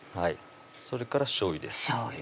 それからしょうゆです